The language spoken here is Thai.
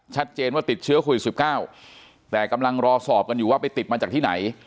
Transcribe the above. ชัดเจนว่าติดเชื้อโควิด๑๙แต่กำลังรอสอบกันอยู่ว่าไปติดมาจากที่ไหน